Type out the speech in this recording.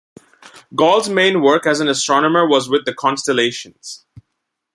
Gall's main work as an astronomer was with the constellations.